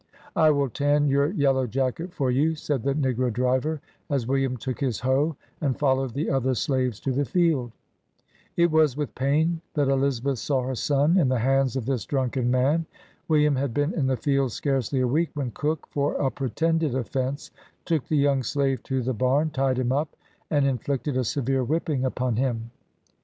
"I will tan your yellow jacket for you," said the negro driver, as William took his hoe and followed the other slaves to the field. It was w T ith pain that Elizabeth saw her son in the hands of this drunken man. Wil liam had been in the field scarcely a week, when Cook, for a pretended offence, took the young slave to the barn, tied him up, and inflicted a severe whipping upon him.